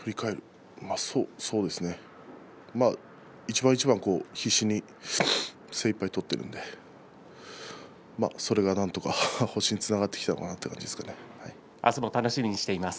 一番一番、必死に精いっぱい取っているのでそれが、なんとか星につながってきたのかなと思います。